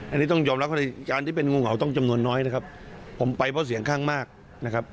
อันนี้ต้องยอมรับว่าการที่เป็นงูเห่าต้องจำนวนน้อยนะครับผมไปเพราะเสียงข้างมากนะครับ